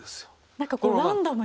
なんかこうランダムに。